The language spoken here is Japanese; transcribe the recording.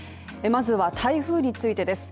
まずは台風についてです。